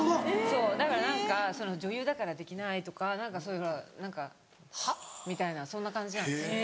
そうだから何か女優だからできないとか何かそういうのは「はっ？」みたいなそんな感じなんです。